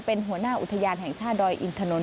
เป็นหัวหน้าอุทยานแห่งชาติดอยอินทนนท